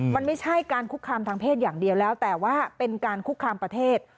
มันไม่ใช่การคุกคามทางเพศอย่างเดียวแล้วแต่ว่าเป็นการคุกคามประเทศ